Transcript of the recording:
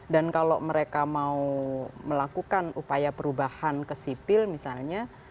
dan kalau mereka mau melakukan upaya perubahan ke sipil misalnya